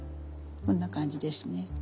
こんな感じですね。